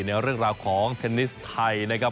ในเรื่องราวของเทนนิสไทยนะครับ